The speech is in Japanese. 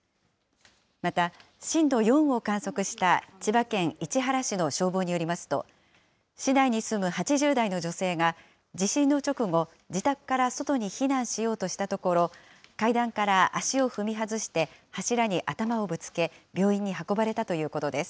また、震度４を観測した千葉県市原市の消防によりますと、市内に住む８０代の女性が地震の直後、自宅から外に避難しようとしたところ、階段から足を踏み外して、柱に頭をぶつけ、病院に運ばれたということです。